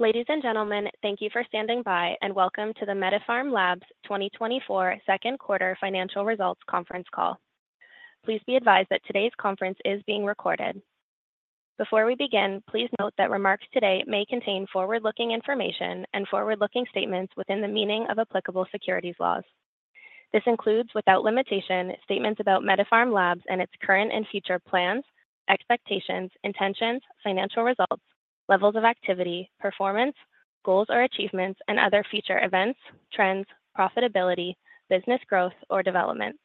Ladies and gentlemen, thank you for standing by and welcome to the MediPharm Labs' 2024 second quarter financial results conference call. Please be advised that today's conference is being recorded. Before we begin, please note that remarks today may contain forward-looking information and forward-looking statements within the meaning of applicable securities laws. This includes, without limitation, statements about MediPharm Labs and its current and future plans, expectations, intentions, financial results, levels of activity, performance, goals or achievements, and other future events, trends, profitability, business growth, or developments.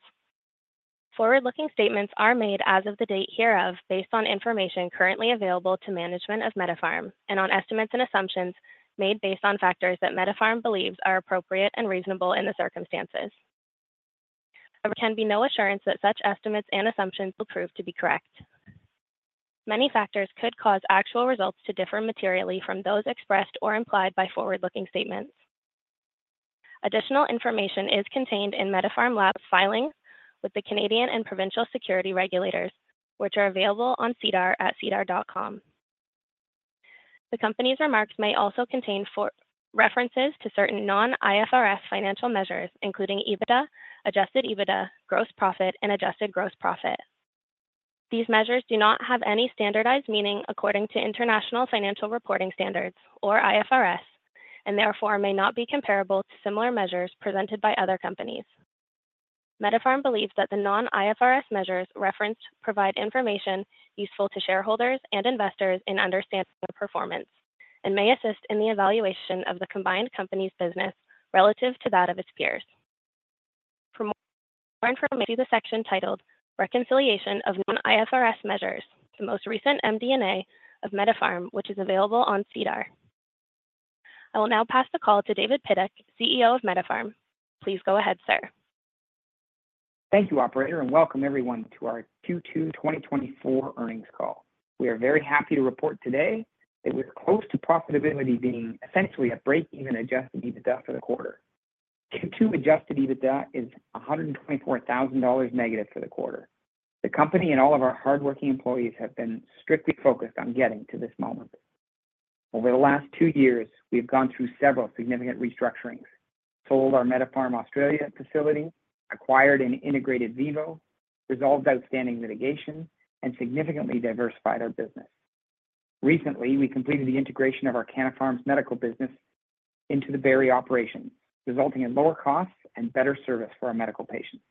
Forward-looking statements are made as of the date hereof, based on information currently available to management of MediPharm, and on estimates and assumptions made based on factors that MediPharm believes are appropriate and reasonable in the circumstances. There can be no assurance that such estimates and assumptions will prove to be correct. Many factors could cause actual results to differ materially from those expressed or implied by forward-looking statements. Additional information is contained in MediPharm Labs' filing with the Canadian and provincial security regulators, which are available on SEDAR at sedar.com. The company's remarks may also contain references to certain non-IFRS financial measures, including EBITDA, adjusted EBITDA, gross profit and adjusted gross profit. These measures do not have any standardized meaning according to International Financial Reporting Standards, or IFRS, and therefore may not be comparable to similar measures presented by other companies. MediPharm believes that the non-IFRS measures referenced provide information useful to shareholders and investors in understanding their performance, and may assist in the evaluation of the combined company's business relative to that of its peers. For more information, see the section titled "Reconciliation of Non-IFRS Measures," the most recent MD&A of MediPharm, which is available on SEDAR. I will now pass the call to David Pidduck, CEO of MediPharm. Please go ahead, sir. Thank you, operator, and welcome everyone to our Q2 2024 earnings call. We are very happy to report today that we're close to profitability, being essentially at breakeven Adjusted EBITDA for the quarter. Q2 Adjusted EBITDA is 124,000 dollars negative for the quarter. The company and all of our hardworking employees have been strictly focused on getting to this moment. Over the last two years, we've gone through several significant restructurings: sold our MediPharm Australia facility, acquired and integrated VIVO, resolved outstanding litigation, and significantly diversified our business. Recently, we completed the integration of our Canna Farms' medical business into the Barrie operation, resulting in lower costs and better service for our medical patients.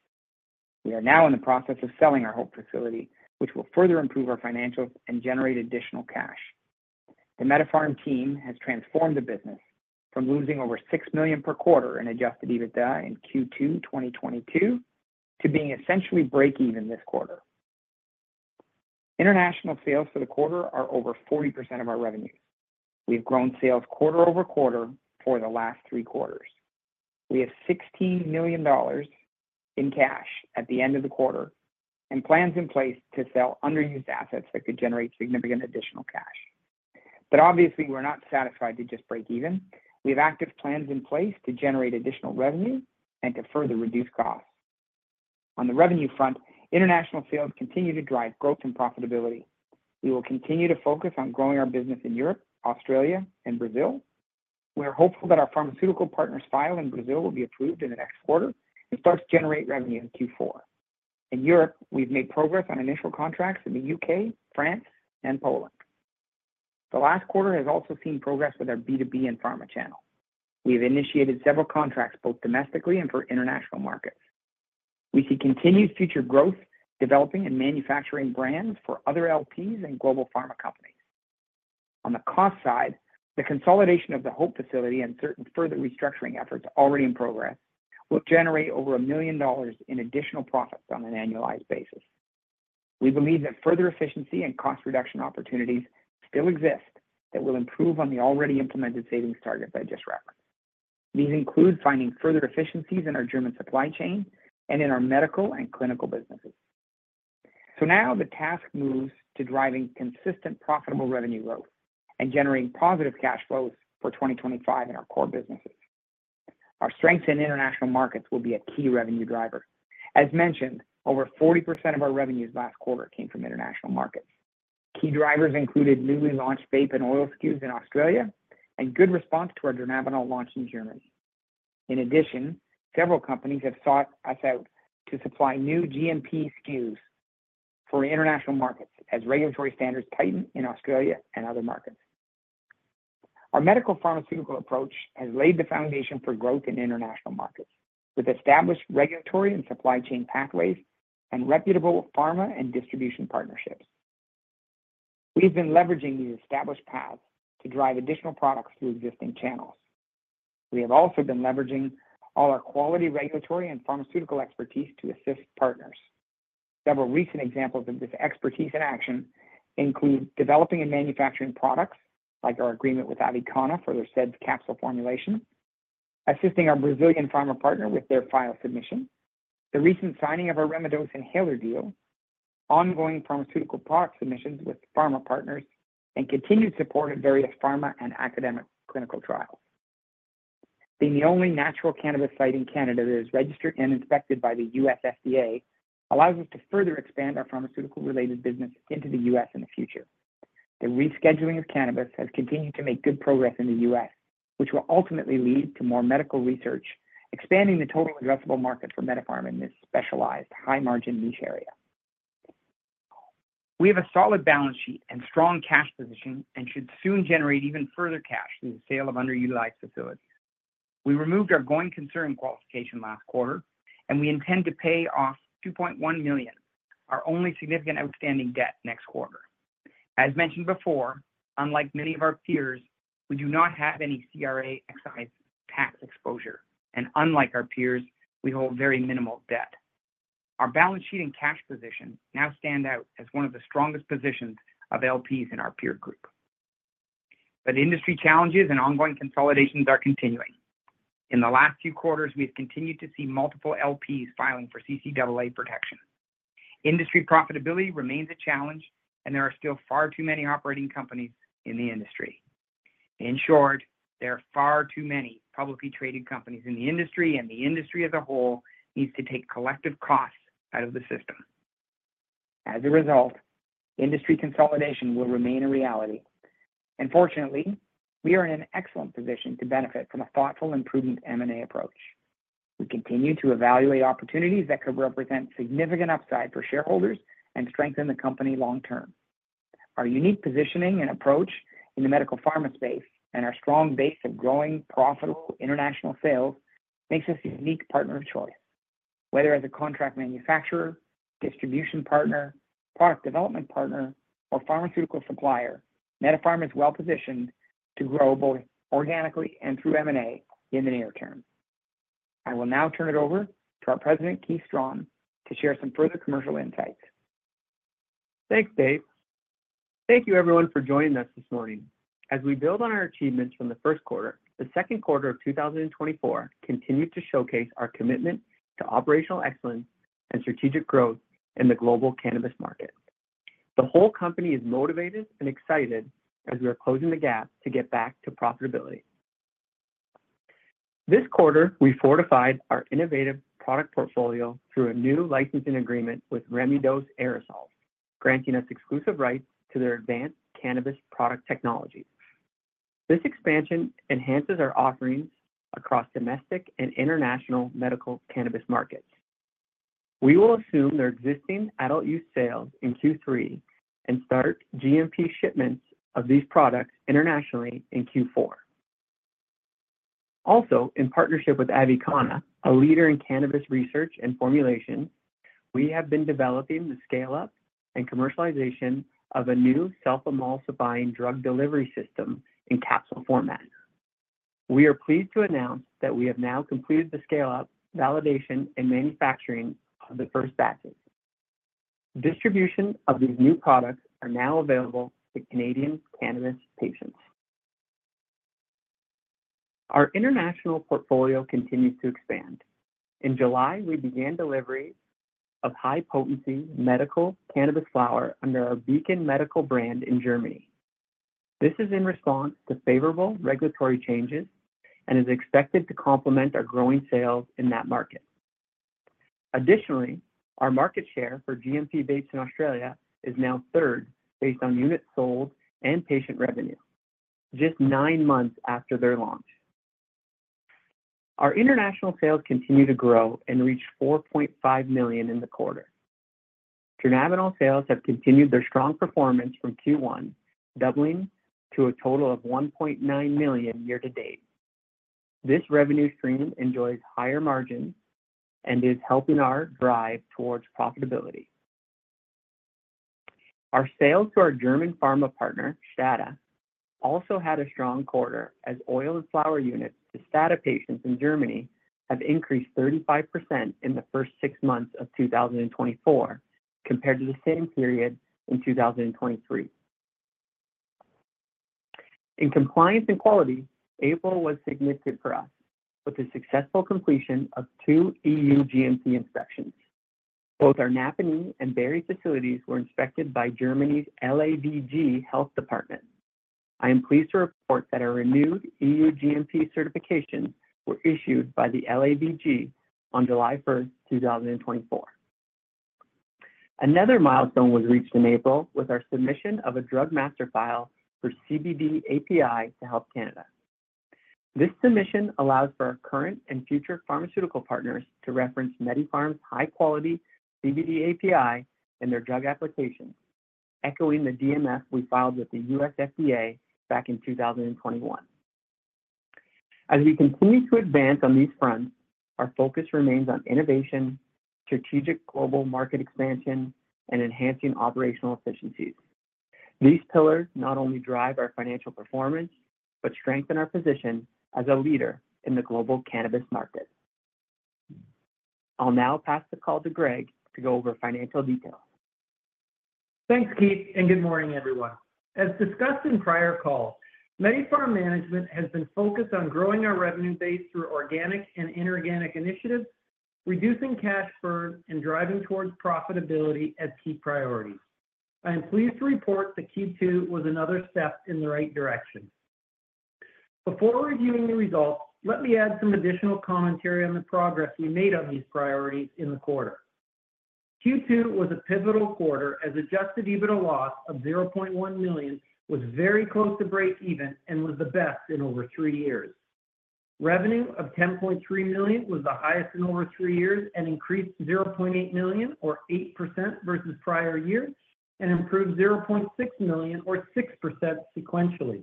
We are now in the process of selling our Hope facility, which will further improve our financials and generate additional cash. The MediPharm team has transformed the business from losing over 6 million per quarter in adjusted EBITDA in Q2 2022 to being essentially breakeven this quarter. International sales for the quarter are over 40% of our revenue. We've grown sales quarter-over-quarter for the last three quarters. We have 16 million dollars in cash at the end of the quarter and plans in place to sell underused assets that could generate significant additional cash. But obviously, we're not satisfied to just break even. We have active plans in place to generate additional revenue and to further reduce costs. On the revenue front, international sales continue to drive growth and profitability. We will continue to focus on growing our business in Europe, Australia, and Brazil. We are hopeful that our pharmaceutical partner's file in Brazil will be approved in the next quarter and start to generate revenue in Q4. In Europe, we've made progress on initial contracts in the UK, France, and Poland. The last quarter has also seen progress with our B2B and pharma channel. We've initiated several contracts, both domestically and for international markets. We see continued future growth, developing and manufacturing brands for other LPs and global pharma companies. On the cost side, the consolidation of the Hope facility and certain further restructuring efforts already in progress will generate over 1 million dollars in additional profits on an annualized basis. We believe that further efficiency and cost reduction opportunities still exist that will improve on the already implemented savings targets I just referenced. These include finding further efficiencies in our German supply chain and in our medical and clinical businesses. So now the task moves to driving consistent, profitable revenue growth and generating positive cash flows for 2025 in our core businesses. Our strength in international markets will be a key revenue driver. As mentioned, over 40% of our revenues last quarter came from international markets. Key drivers included newly launched vape and oil SKUs in Australia and good response to our dronabinol launch in Germany. In addition, several companies have sought us out to supply new GMP SKUs for international markets, as regulatory standards tighten in Australia and other markets. Our medical pharmaceutical approach has laid the foundation for growth in international markets, with established regulatory and supply chain pathways and reputable pharma and distribution partnerships. We've been leveraging these established paths to drive additional products through existing channels. We have also been leveraging all our quality, regulatory, and pharmaceutical expertise to assist partners. Several recent examples of this expertise in action include developing and manufacturing products, like our agreement with Avicanna for their SEDDS capsule formulation, assisting our Brazilian pharma partner with their file submission, the recent signing of our Remidose inhaler deal, ongoing pharmaceutical product submissions with pharma partners, and continued support at various pharma and academic clinical trials. Being the only natural cannabis site in Canada that is registered and inspected by the U.S. FDA, allows us to further expand our pharmaceutical-related business into the U.S. in the future. The rescheduling of cannabis has continued to make good progress in the U.S., which will ultimately lead to more medical research, expanding the total addressable market for MediPharm in this specialized high-margin niche area. We have a solid balance sheet and strong cash position, and should soon generate even further cash through the sale of underutilized facilities. We removed our going concern qualification last quarter, and we intend to pay off 2.1 million, our only significant outstanding debt, next quarter. As mentioned before, unlike many of our peers, we do not have any CRA excise tax exposure, and unlike our peers, we hold very minimal debt. Our balance sheet and cash position now stand out as one of the strongest positions of LPs in our peer group. But industry challenges and ongoing consolidations are continuing. In the last few quarters, we've continued to see multiple LPs filing for CCAA protection. Industry profitability remains a challenge, and there are still far too many operating companies in the industry. In short, there are far too many publicly traded companies in the industry, and the industry as a whole needs to take collective costs out of the system. As a result, industry consolidation will remain a reality. Fortunately, we are in an excellent position to benefit from a thoughtful and prudent M&A approach. We continue to evaluate opportunities that could represent significant upside for shareholders and strengthen the company long term. Our unique positioning and approach in the medical pharma space and our strong base of growing, profitable international sales makes us a unique partner of choice. Whether as a contract manufacturer, distribution partner, product development partner, or pharmaceutical supplier, MediPharm is well-positioned to grow both organically and through M&A in the near term. I will now turn it over to our President, Keith Strachan, to share some further commercial insights. Thanks, Dave. Thank you everyone for joining us this morning. As we build on our achievements from the first quarter, the second quarter of 2024 continued to showcase our commitment to operational excellence and strategic growth in the global cannabis market. The whole company is motivated and excited as we are closing the gap to get back to profitability. This quarter, we fortified our innovative product portfolio through a new licensing agreement with Remidose Aerosols, granting us exclusive rights to their advanced cannabis product technologies. This expansion enhances our offerings across domestic and international medical cannabis markets. We will assume their existing adult use sales in Q3 and start GMP shipments of these products internationally in Q4. Also, in partnership with Avicanna, a leader in cannabis research and formulation, we have been developing the scale-up and commercialization of a new self-emulsifying drug delivery system in capsule format. We are pleased to announce that we have now completed the scale-up, validation, and manufacturing of the first batches. Distribution of these new products are now available to Canadian cannabis patients. Our international portfolio continues to expand. In July, we began delivery of high-potency medical cannabis flower under our Beacon Medical brand in Germany. This is in response to favorable regulatory changes and is expected to complement our growing sales in that market. Additionally, our market share for GMP vapes in Australia is now third based on units sold and patient revenue, just nine months after their launch. Our international sales continue to grow and reach 4.5 million in the quarter. Dronabinol sales have continued their strong performance from Q1, doubling to a total of 1.9 million year to date. This revenue stream enjoys higher margins and is helping our drive towards profitability. Our sales to our German pharma partner, STADA, also had a strong quarter, as oil and flower units to STADA patients in Germany have increased 35% in the first 6 months of 2024, compared to the same period in 2023. In compliance and quality, April was significant for us, with the successful completion of 2 EU GMP inspections. Both our Napanee and Barrie facilities were inspected by Germany's LAVG Health Department. I am pleased to report that our renewed EU GMP certifications were issued by the LAVG on July 1, 2024. Another milestone was reached in April with our submission of a Drug Master File for CBD API to Health Canada. This submission allows for our current and future pharmaceutical partners to reference MediPharm's high-quality CBD API in their drug applications, echoing the DMF we filed with the U.S. FDA back in 2021. As we continue to advance on these fronts, our focus remains on innovation, strategic global market expansion, and enhancing operational efficiencies. These pillars not only drive our financial performance, but strengthen our position as a leader in the global cannabis market. I'll now pass the call to Greg to go over financial details. Thanks, Keith, and good morning, everyone. As discussed in prior calls, MediPharm management has been focused on growing our revenue base through organic and inorganic initiatives, reducing cash burn, and driving towards profitability as key priorities. I am pleased to report that Q2 was another step in the right direction. Before reviewing the results, let me add some additional commentary on the progress we made on these priorities in the quarter. Q2 was a pivotal quarter, as Adjusted EBITDA loss of 0.1 million was very close to breakeven and was the best in over three years. Revenue of 10.3 million was the highest in over three years and increased 0.8 million, or 8% versus prior year, and improved 0.6 million, or 6% sequentially.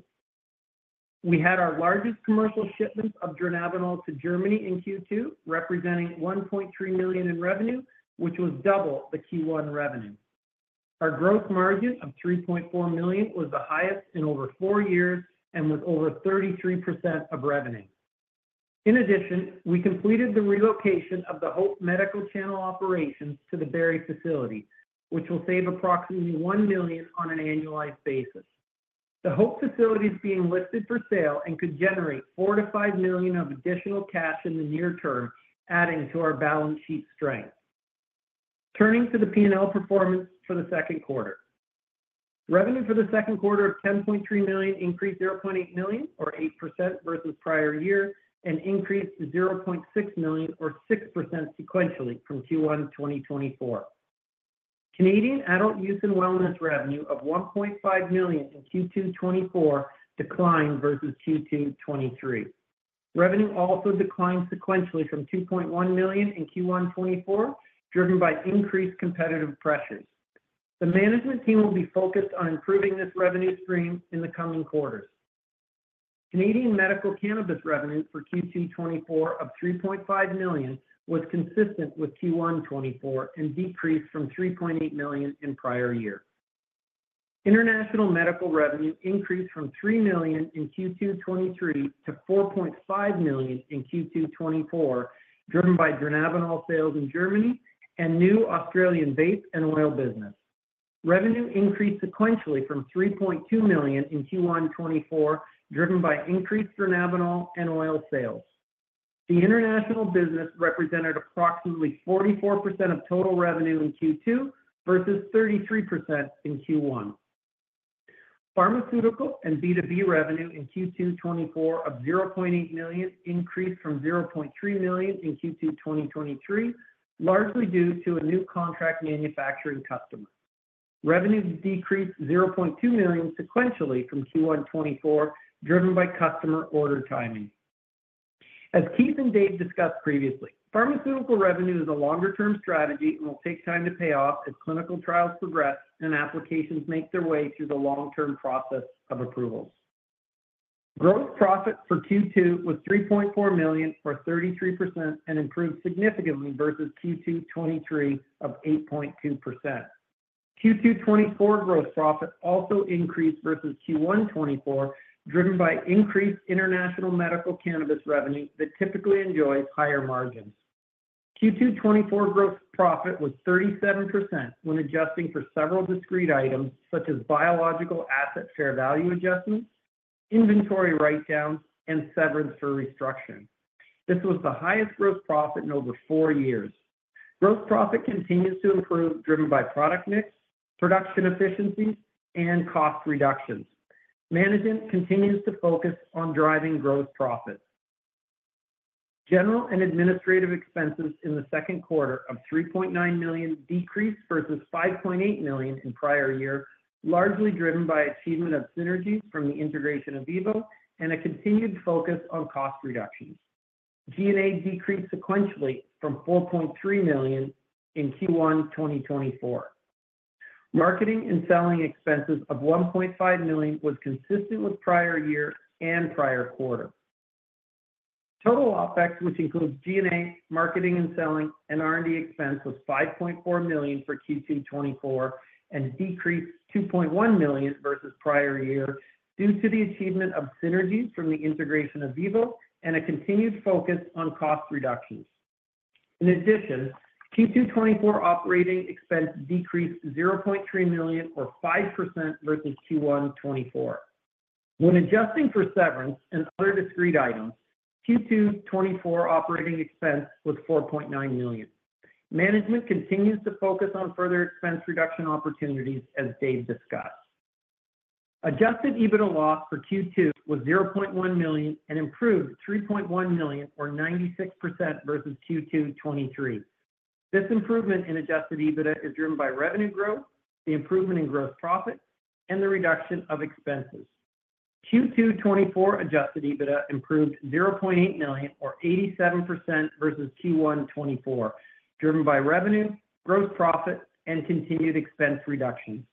We had our largest commercial shipment of dronabinol to Germany in Q2, representing 1.3 million in revenue, which was double the Q1 revenue. Our gross margin of 3.4 million was the highest in over four years and was over 33% of revenue. In addition, we completed the relocation of the Hope medical channel operations to the Barrie facility, which will save approximately 1 million on an annualized basis. The Hope facility is being listed for sale and could generate 4 million-5 million of additional cash in the near term, adding to our balance sheet strength. Turning to the P&L performance for the second quarter. Revenue for the second quarter of 10.3 million increased 0.8 million, or 8% versus prior year, and increased to 0.6 million or 6% sequentially from Q1 2024. Canadian adult use and wellness revenue of 1.5 million in Q2 2024 declined versus Q2 2023. Revenue also declined sequentially from 2.1 million in Q1 2024, driven by increased competitive pressures. The management team will be focused on improving this revenue stream in the coming quarters. Canadian medical cannabis revenue for Q2 2024 of 3.5 million was consistent with Q1 2024 and decreased from 3.8 million in prior year. International medical revenue increased from 3 million in Q2 2023 to 4.5 million in Q2 2024, driven by dronabinol sales in Germany and new Australian vape and oil business. Revenue increased sequentially from 3.2 million in Q1 2024, driven by increased dronabinol and oil sales. The international business represented approximately 44% of total revenue in Q2 versus 33% in Q1. Pharmaceutical and B2B revenue in Q2 2024 of 0.8 million increased from 0.3 million in Q2 2023, largely due to a new contract manufacturing customer. Revenue decreased 0.2 million sequentially from Q1 2024, driven by customer order timing. As Keith and Dave discussed previously, pharmaceutical revenue is a longer term strategy and will take time to pay off as clinical trials progress and applications make their way through the long-term process of approvals. Gross profit for Q2 was 3.4 million, or 33%, and improved significantly versus Q2 2023 of 8.2%. Q2 2024 gross profit also increased versus Q1 2024, driven by increased international medical cannabis revenue that typically enjoys higher margins. Q2 2024 gross profit was 37% when adjusting for several discrete items such as biological asset, fair value adjustments, inventory write-downs, and severance for restructure. This was the highest gross profit in over four years. Gross profit continues to improve, driven by product mix, production efficiencies, and cost reductions. Management continues to focus on driving gross profit. General and administrative expenses in the second quarter of 3.9 million decreased versus 5.8 million in prior year, largely driven by achievement of synergies from the integration of VIVO and a continued focus on cost reductions. G&A decreased sequentially from 4.3 million in Q1 2024. Marketing and selling expenses of 1.5 million was consistent with prior year and prior quarter. Total OpEx, which includes G&A, marketing and selling, and R&D expense, was 5.4 million for Q2 2024 and decreased 2.1 million versus prior year due to the achievement of synergies from the integration of VIVO and a continued focus on cost reductions. In addition, Q2 2024 operating expense decreased 0.3 million, or 5% versus Q1 2024. When adjusting for severance and other discrete items, Q2 2024 operating expense was 4.9 million. Management continues to focus on further expense reduction opportunities, as Dave discussed. Adjusted EBITDA loss for Q2 was 0.1 million and improved 3.1 million, or 96% versus Q2 2023. This improvement in adjusted EBITDA is driven by revenue growth, the improvement in gross profit, and the reduction of expenses. Q2 2024 Adjusted EBITDA improved 0.8 million, or 87% versus Q1 2024, driven by revenue, gross profit, and continued expense reductions.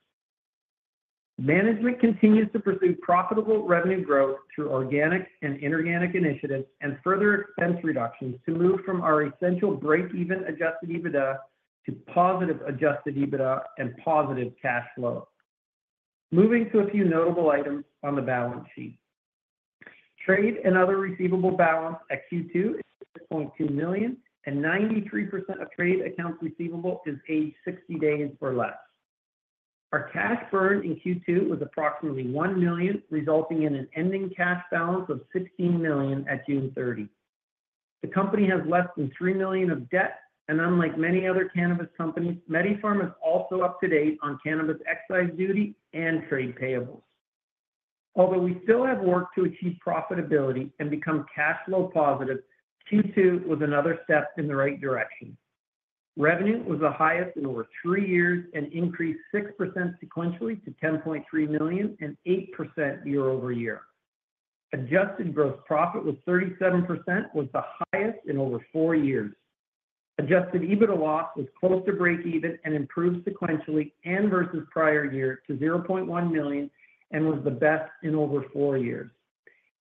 Management continues to pursue profitable revenue growth through organic and inorganic initiatives and further expense reductions to move from our essentially breakeven Adjusted EBITDA to positive Adjusted EBITDA and positive cash flow. Moving to a few notable items on the balance sheet. Trade and other receivables balance at Q2 is 6.2 million, and 93% of trade accounts receivable is paid 60 days or less. Our cash burn in Q2 was approximately 1 million, resulting in an ending cash balance of 16 million at June 30, 2024. The company has less than 3 million of debt, and unlike many other cannabis companies, MediPharm is also up to date on cannabis excise duty and trade payables. Although we still have work to achieve profitability and become cash flow positive, Q2 was another step in the right direction. Revenue was the highest in over three years and increased 6% sequentially to 10.3 million and 8% year-over-year. Adjusted gross profit was 37%, was the highest in over four years. Adjusted EBITDA loss was close to breakeven and improved sequentially and versus prior year to 0.1 million, and was the best in over four years.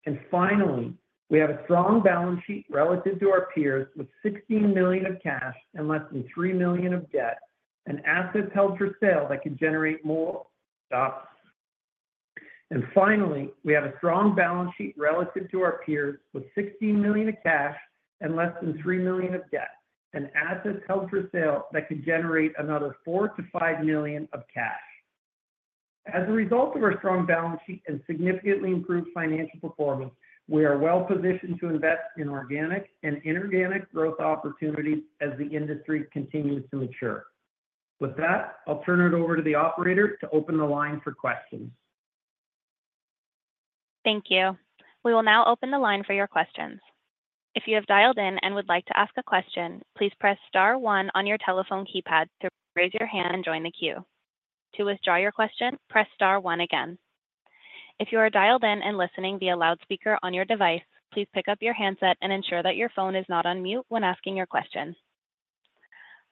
And finally, we have a strong balance sheet relative to our peers, with 16 million of cash and less than 3 million of debt, and assets held for sale that could generate more. Finally, we have a strong balance sheet relative to our peers, with 16 million of cash and less than 3 million of debt, and assets held for sale that could generate another 4 million-5 million of cash. As a result of our strong balance sheet and significantly improved financial performance, we are well positioned to invest in organic and inorganic growth opportunities as the industry continues to mature. With that, I'll turn it over to the operator to open the line for questions. Thank you. We will now open the line for your questions. If you have dialed in and would like to ask a question, please press star one on your telephone keypad to raise your hand and join the queue. To withdraw your question, press star one again. If you are dialed in and listening via loudspeaker on your device, please pick up your handset and ensure that your phone is not on mute when asking your question.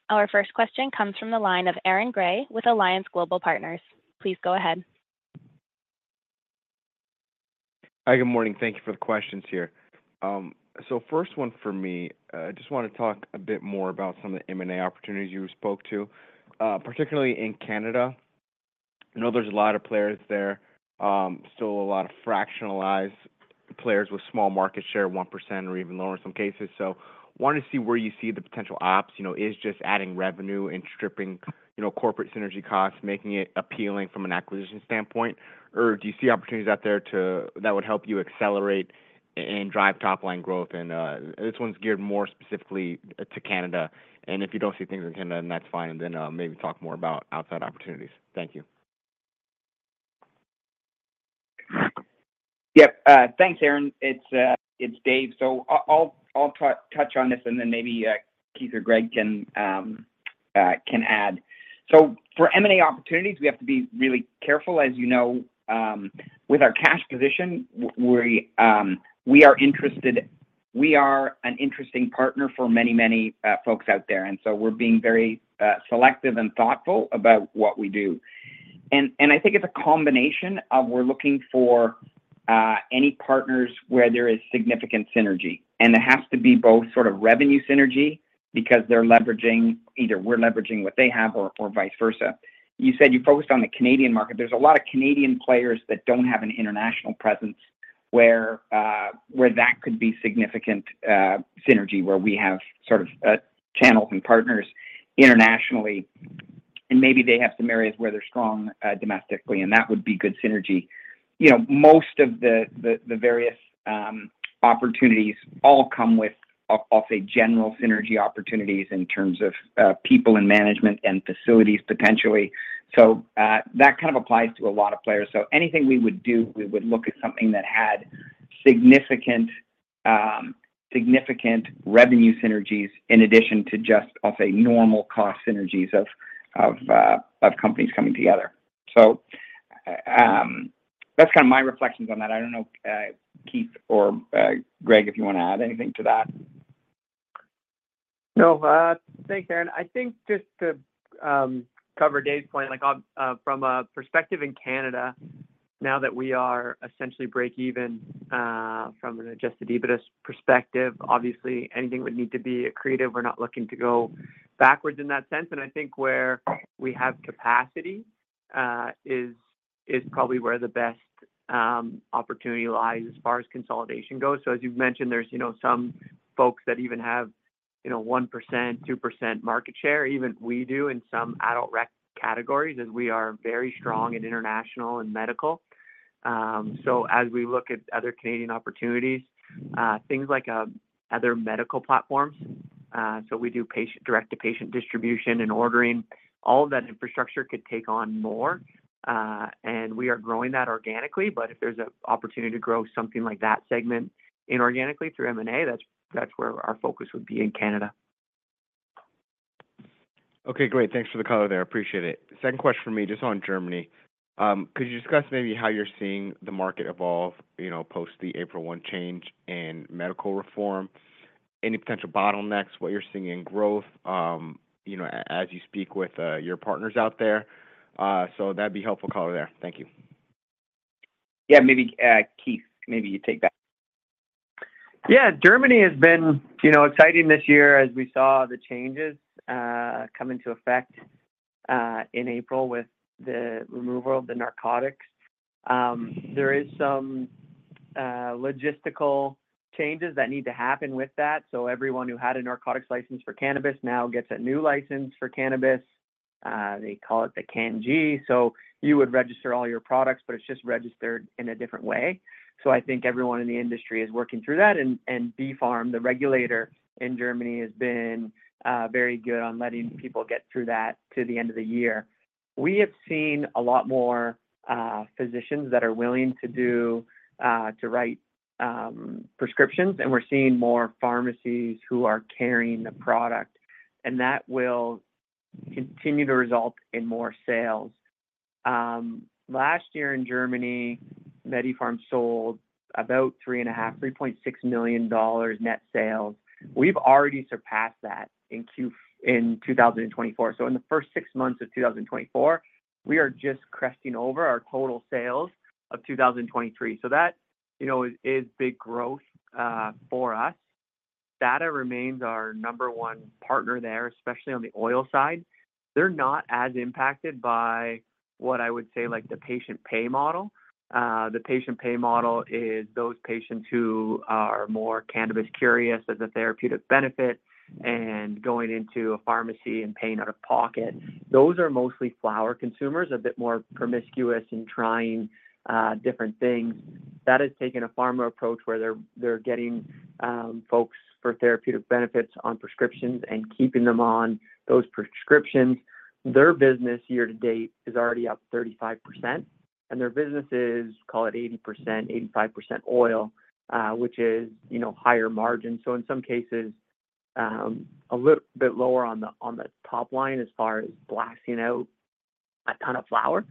Our first question comes from the line of Aaron Gray with Alliance Global Partners. Please go ahead. Hi, good morning. Thank you for the questions here. So first one for me, just want to talk a bit more about some of the M&A opportunities you spoke to, particularly in Canada. I know there's a lot of players there, still a lot of fractionalized players with small market share, 1% or even lower in some cases. So wanted to see where you see the potential ops, you know, is just adding revenue and stripping, you know, corporate synergy costs, making it appealing from an acquisition standpoint. Or do you see opportunities out there to that would help you accelerate and drive top line growth? And this one's geared more specifically to Canada, and if you don't see things in Canada, then that's fine, and then maybe talk more about outside opportunities. Thank you. Yep. Thanks, Aaron. It's, it's Dave. So I'll touch on this, and then maybe Keith or Greg can add. So for M&A opportunities, we have to be really careful. As you know, with our cash position, we are interested-- we are an interesting partner for many, many folks out there, and so we're being very selective and thoughtful about what we do. And I think it's a combination of we're looking for any partners where there is significant synergy, and it has to be both sort of revenue synergy, because they're leveraging... either we're leveraging what they have or, or vice versa. You said you focused on the Canadian market. There's a lot of Canadian players that don't have an international presence, where that could be significant synergy, where we have sort of channels and partners internationally, and maybe they have some areas where they're strong domestically, and that would be good synergy. You know, most of the various opportunities all come with, I'll say, general synergy opportunities in terms of people and management and facilities, potentially. So that kind of applies to a lot of players. So anything we would do, we would look at something that had significant revenue synergies in addition to just, I'll say, normal cost synergies of companies coming together. So that's kind of my reflections on that. I don't know, Keith or Greg, if you want to add anything to that. No, thanks, Aaron. I think just to cover Dave's point, like, on from a perspective in Canada, now that we are essentially breakeven from an adjusted EBITDA perspective, obviously anything would need to be accretive. We're not looking to go backwards in that sense, and I think where we have capacity is probably where the best opportunity lies as far as consolidation goes. So as you've mentioned, there's, you know, some folks that even have, you know, 1%, 2% market share. Even we do in some adult rec categories, and we are very strong in international and medical. So as we look at other Canadian opportunities, things like other medical platforms, so we do patient direct-to-patient distribution and ordering. All of that infrastructure could take on more, and we are growing that organically. But if there's an opportunity to grow something like that segment inorganically through M&A, that's, that's where our focus would be in Canada. Okay, great. Thanks for the color there. Appreciate it. Second question for me, just on Germany. Could you discuss maybe how you're seeing the market evolve, you know, post the April 1 change in medical reform? Any potential bottlenecks, what you're seeing in growth, you know, as you speak with your partners out there? So that'd be helpful color there. Thank you. Yeah, maybe, Keith, maybe you take that. Yeah, Germany has been, you know, exciting this year as we saw the changes come into effect in April with the removal of the narcotics. There is some logistical changes that need to happen with that. So everyone who had a narcotics license for cannabis now gets a new license for cannabis. They call it the CanG. So you would register all your products, but it's just registered in a different way. So I think everyone in the industry is working through that. And BfArM, the regulator in Germany, has been very good on letting people get through that to the end of the year. We have seen a lot more physicians that are willing to write prescriptions, and we're seeing more pharmacies who are carrying the product, and that will continue to result in more sales. Last year in Germany, MediPharm sold about $3.5, $3.6 million net sales. We've already surpassed that in 2024. So in the first six months of 2024, we are just cresting over our total sales of 2023. So that, you know, is big growth for us. Stada remains our number one partner there, especially on the oil side. They're not as impacted by what I would say, like, the patient pay model. The patient pay model is those patients who are more cannabis curious as a therapeutic benefit and going into a pharmacy and paying out of pocket. Those are mostly flower consumers, a bit more promiscuous in trying different things. That has taken a pharma approach, where they're getting folks for therapeutic benefits on prescriptions and keeping them on those prescriptions. Their business year to date is already up 35%, and their business is, call it 80%-85% oil, which is, you know, higher margin. So in some cases, a little bit lower on the top line as far as blasting out a ton of flower,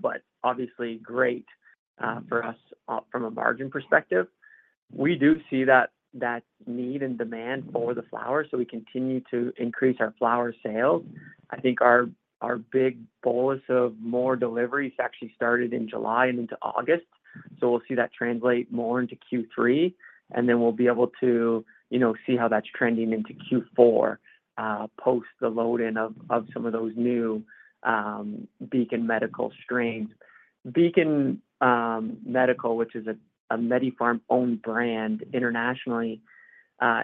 but obviously great for us from a margin perspective. We do see that need and demand for the flower, so we continue to increase our flower sales. I think our big bolus of more deliveries actually started in July and into August, so we'll see that translate more into Q3, and then we'll be able to, you know, see how that's trending into Q4, post the load-in of some of those new Beacon Medical strains. Beacon Medical, which is a MediPharm-owned brand internationally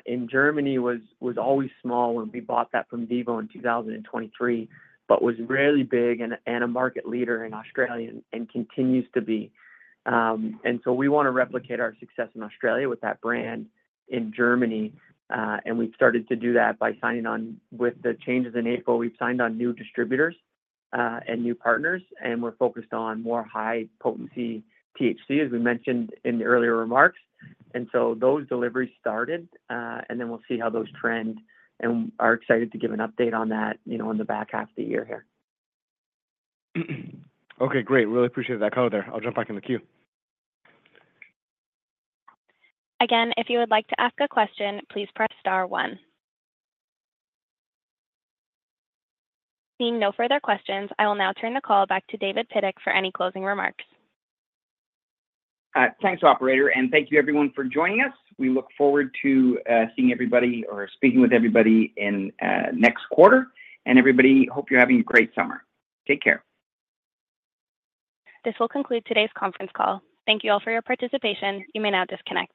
in Germany, was always small, and we bought that from VIVO in 2023, but was really big and a market leader in Australia and continues to be. And so we want to replicate our success in Australia with that brand in Germany, and we've started to do that by signing on... With the changes in April, we've signed on new distributors and new partners, and we're focused on more high-potency THC, as we mentioned in the earlier remarks. And so those deliveries started, and then we'll see how those trend, and we are excited to give an update on that, you know, in the back half of the year here. Okay, great. Really appreciate that, Color. I'll jump back in the queue. Again, if you would like to ask a question, please press star one. Seeing no further questions, I will now turn the call back to David Pidduck for any closing remarks. Thanks, operator, and thank you everyone for joining us. We look forward to seeing everybody or speaking with everybody in next quarter. And everybody, hope you're having a great summer. Take care. This will conclude today's conference call. Thank you all for your participation. You may now disconnect.